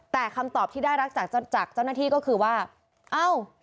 แต่คำตอบที่ได้รับจากจากเจ้าหน้าที่ก็คือว่าเอ้า